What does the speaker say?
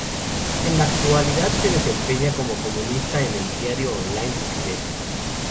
En la actualidad, se desempeña como columnista en el diario online "Lucidez".